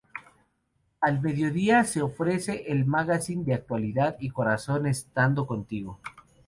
Al mediodía se ofrece el magazine de actualidad y corazón Estando contigo.